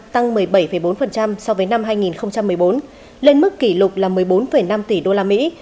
tăng một mươi bảy bốn so với năm hai nghìn một mươi bốn lên mức kỷ lục là một mươi bốn năm tỷ usd